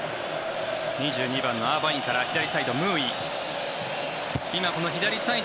２２番のアーバインから左サイドのムーイ。